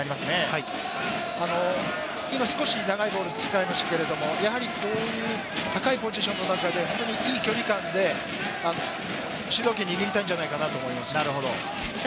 はい、今少し長いボールを使いましたけれど、やはり高いポジションの中で、本当にいい距離感で主導権を握りたいんじゃないかなと思います。